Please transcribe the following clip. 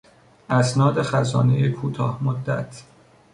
اسناد خزانهی کوتاه مدت